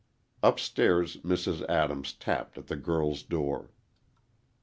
Upstairs, Mrs. Adams tapped at the girl's door.